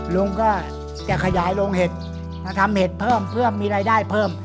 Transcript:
ลุงก็จะขยายโรงเห็ดมาทำเห็ดเพิ่มเพื่อมีรายได้เพิ่ม